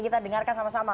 kita dengarkan sama sama